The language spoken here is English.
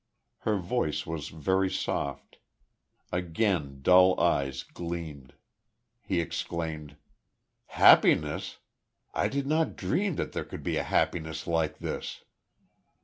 Her voice was very soft. Again dull eyes gleamed; he exclaimed: "Happiness! I did not dream there could be a happiness like this!"